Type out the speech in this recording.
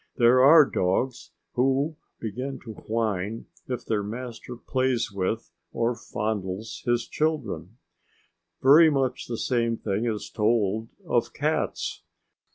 There are dogs who begin to whine if their master plays with or fondles his children. Very much the same thing is told of cats.